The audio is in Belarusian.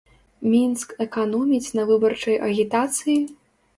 Мінск эканоміць на выбарчай агітацыі?